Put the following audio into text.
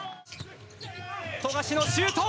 富樫のシュート！